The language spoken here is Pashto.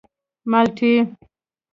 _مالټې.